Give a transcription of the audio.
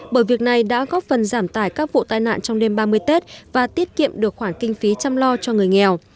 bởi việc này đã góp phần giảm tải các vụ tai nạn trong đêm ba mươi tết và tiết kiệm được khoản kinh phí chăm lo cho người nghèo